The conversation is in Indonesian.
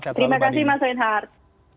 terima kasih mas winhart